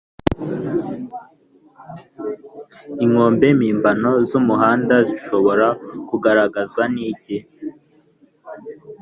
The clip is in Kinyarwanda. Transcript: inkombe mpimbano z’umuhanda zishobora kugaragazwa n’iki